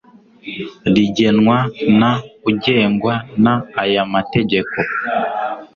rigenwa n ugengwa n aya mategeko